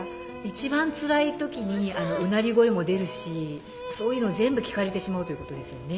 一番つらい時にうなり声も出るしそういうの全部聞かれてしまうということですよね。